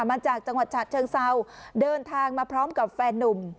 มาจากจังหวัดฉะเชิงเซาเดินทางมาพร้อมกับแฟนนุ่ม